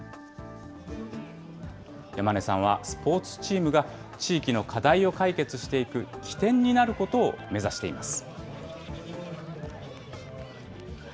山根さんは、スポーツチームが地域の課題を解決していく起点になることを目指しています。